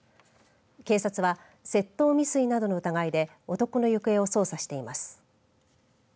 警察は窃盗未遂などの疑いで男の行方を捜査しています。